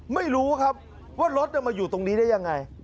ไม่รู้ครับว่ารถมาอยู่ตรงนี้ได้ยังไง